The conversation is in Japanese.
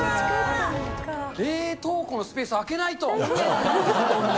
冷凍庫のスペース空けないと！